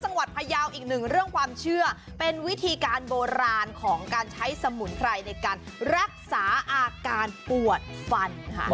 พยาวอีกหนึ่งเรื่องความเชื่อเป็นวิธีการโบราณของการใช้สมุนไพรในการรักษาอาการปวดฟันค่ะ